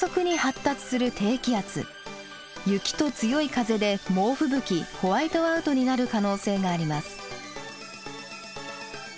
雪と強い風で猛吹雪ホワイトアウトになる可能性があります。